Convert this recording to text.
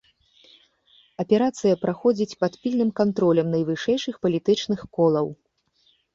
Аперацыя праходзіць пад пільным кантролем найвышэйшых палітычных колаў.